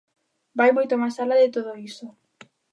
Vai moito máis alá de todo iso.